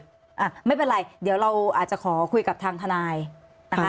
ดีกันเนี่ยอ่าไม่เป็นไรเดี๋ยวเราอาจจะขอคุยกับทางทนายอ่า